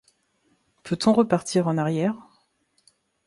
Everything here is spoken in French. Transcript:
Peut-on repartir en arrière ?